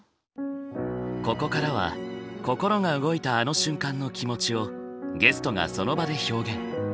ここからは心が動いたあの瞬間の気持ちをゲストがその場で表現。